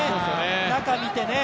中見てね。